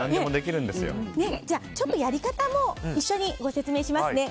ちょっとやり方も一緒にご説明しますね。